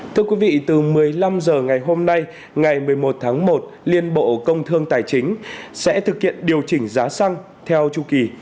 thưa quý vị từ một mươi năm h ngày hôm nay ngày một mươi một tháng một liên bộ công thương tài chính sẽ thực hiện điều chỉnh giá xăng theo chu kỳ